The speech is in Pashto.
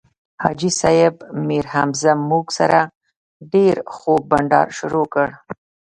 حاجي صیب میرحمزه موږ سره ډېر خوږ بنډار شروع کړ.